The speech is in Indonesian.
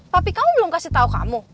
papi kamu belum kasih tau kamu